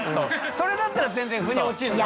それだったら全然腑に落ちるのよ。